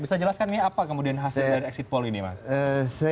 bisa jelaskan ini apa kemudian hasil dari exit poll ini mas